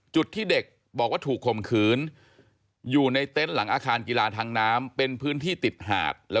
จุดที่เด็กบอกว่าถูกคมคืนอยู่ในเต้นหลังอาคารกีฬาถังน้ำ